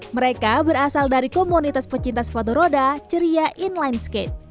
mereka berasal dari komunitas pecinta sepatu roda ceria inline skate